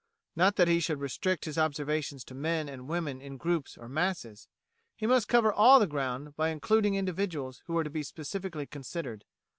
Not that he should restrict his observations to men and women in groups or masses he must cover all the ground by including individuals who are to be specially considered.